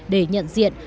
để nhận diện